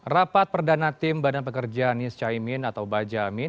rapat perdana tim badan pekerja anies cahimin atau bajamin